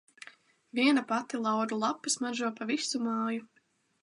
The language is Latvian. Viena pati lauru lapa smaržo pa visu māju.